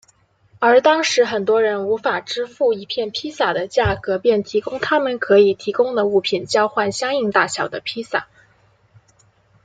而当时很多人无法支付一片披萨的价格便提供他们可以提供的物品交换相应大小的披萨。